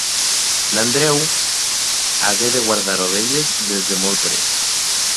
N’Andreu hagué de guardar ovelles des de molt prest.